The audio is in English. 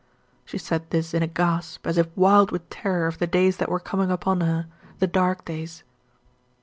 She said this in a gasp, as if wild with terror of the days that were coming upon her the dark days.